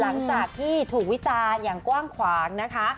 หลังจากที่ถูกวิจารณ์อย่างกว้างขวางนะคะ